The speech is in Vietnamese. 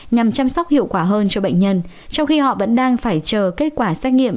nhằm chăm sóc hiệu quả hơn cho bệnh nhân trong khi họ vẫn đang phải chờ kết quả xét nghiệm